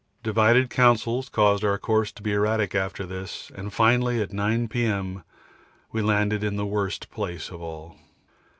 Divided councils caused our course to be erratic after this, and finally, at 9 P.M. we landed in the worst place of all.